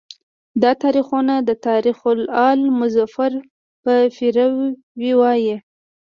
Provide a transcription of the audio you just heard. دا تاریخونه د تاریخ آل مظفر په پیروی وایي.